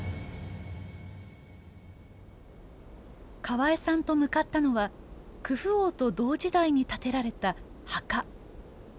河江さんと向かったのはクフ王と同時代に建てられた墓。